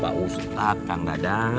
pak ustad kang dadang